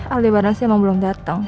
aldebaran sih memang belum datang